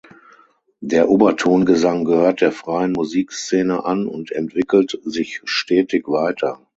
Der Obertongesang gehört der freien Musikszene an und entwickelt sich stetig weiter.